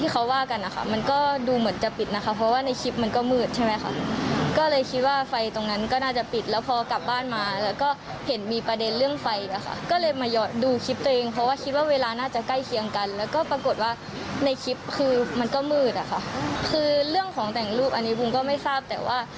คือเรื่องของแต่งรูปอันนี้บุงก็ไม่ทราบแต่ว่า